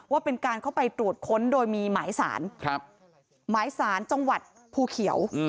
ว่าเป็นการเข้าไปตรวจค้นโดยมีหมายสารหมายสารจังหวัดภูเขียว